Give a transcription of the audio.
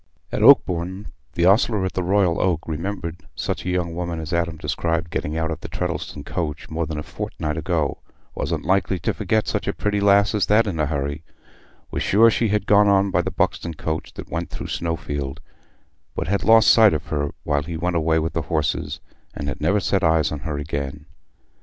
At Oakbourne, the ostler at the Royal Oak remembered such a young woman as Adam described getting out of the Treddleston coach more than a fortnight ago—wasn't likely to forget such a pretty lass as that in a hurry—was sure she had not gone on by the Buxton coach that went through Snowfield, but had lost sight of her while he went away with the horses and had never set eyes on her again.